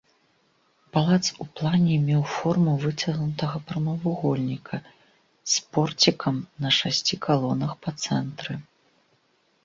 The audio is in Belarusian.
Палац у плане меў форму выцягнутага прамавугольніка з порцікам на шасці калонах па цэнтры.